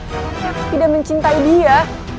kalau aku tidak mencintai dia